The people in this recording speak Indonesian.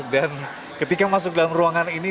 dan ketika masuk dalam ruangan ini